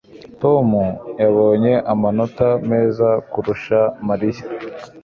Tom yabonye amanota meza kurusha Mariya